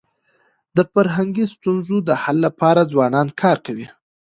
د فرهنګي ستونزو د حل لپاره ځوانان کار کوي.